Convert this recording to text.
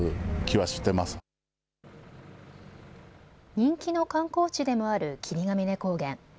人気の観光地でもある霧ヶ峰高原。